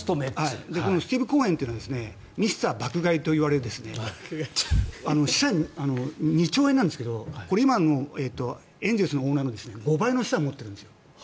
スティーブ・コーエンというのはミスター爆買いと呼ばれる資産が２兆円なんですがこれ今のエンゼルスのオーナーの５倍の資産を持っているんですよ。